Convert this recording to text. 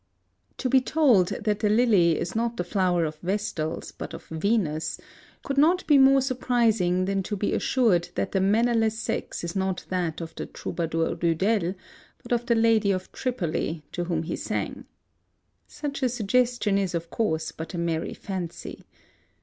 To be told that the lily is not the flower of vestals, but of Venus, could not be more surprising than to be assured that the mannerless sex is not that of the troubadour Rudel, but of the Lady of Tripoli, to whom he sang. Such a suggestion is, of course, but a merry fancy.